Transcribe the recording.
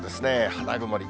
花曇り。